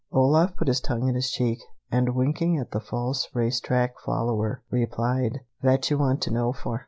Olaf put his tongue in his cheek, and winking at the false race track follower, replied: "Vat you want to know for?